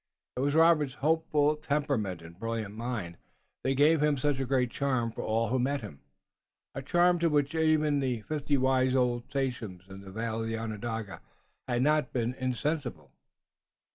It was Robert's hopeful temperament and brilliant mind that gave him such a great charm for all who met him, a charm to which even the fifty wise old sachems in the vale of Onondaga had not been insensible.